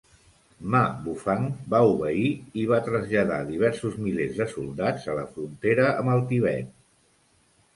Ma Bufang va obeir i va traslladar diversos milers de soldats a la frontera amb el Tibet.